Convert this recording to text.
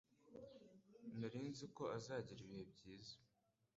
Nari nzi ko azagira ibihe byiza.